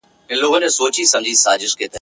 د هغې ورځي په تمه سپینوم تیارې د عمر !.